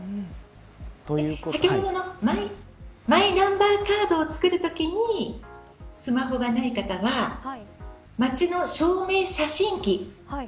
先ほどのマイナンバーカードを作るときにスマホがない方は街の証明写真機